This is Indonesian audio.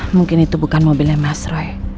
mungkin itu bukan mobilnya mas roy